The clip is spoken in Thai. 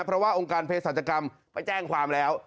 เพราะว่าองค์การเพศศาจกรรมไปแจ้งความแล้ว